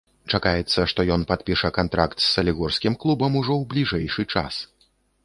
Чакаецца, што ён падпіша кантракт з салігорскім клубам ужо ў бліжэйшы час.